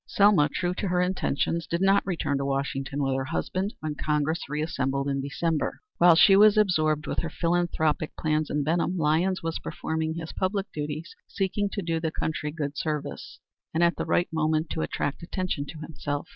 Selma, true to her intentions, did not return to Washington with her husband when Congress reassembled in December. While she was absorbed with her philanthropic plans in Benham, Lyons was performing his public duties; seeking to do the country good service, and at the right moment to attract attention to himself.